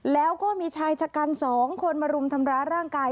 แล้วก็มีชายชะกัน๒คนมารุมทำร้ายร่างกาย